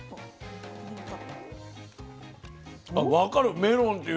分かるメロンっていう感じも。